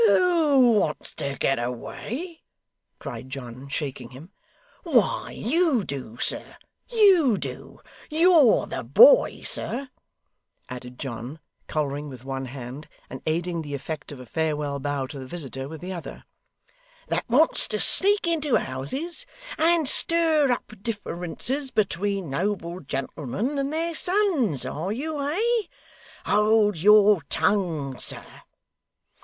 'Who wants to get away!' cried John, shaking him. 'Why you do, sir, you do. You're the boy, sir,' added John, collaring with one hand, and aiding the effect of a farewell bow to the visitor with the other, 'that wants to sneak into houses, and stir up differences between noble gentlemen and their sons, are you, eh? Hold your tongue, sir.